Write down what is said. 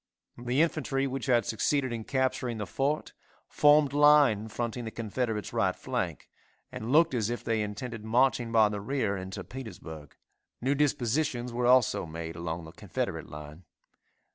The infantry which had succeeded in capturing the fort formed line fronting the Confederates' right flank, and looked as if they intended marching by the rear into Petersburg. New dispositions were also made along the Confederate line.